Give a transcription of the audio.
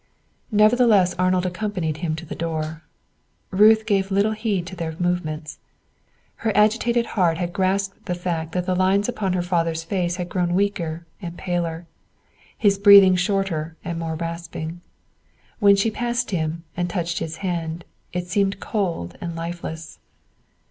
Nevertheless Arnold accompanied him to the door. Ruth gave little heed to their movements. Her agitated heart had grasped the fact that the lines upon her father's face had grown weaker and paler, his breathing shorter and more rasping; when she passed him and touched his hand, it seemed cold and lifeless.